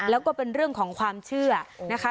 แล้วก็เป็นเรื่องของความเชื่อนะคะ